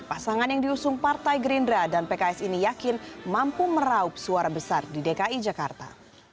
pasangan yang diusung partai gerindra dan pks ini yakin mampu meraup suara besar di dki jakarta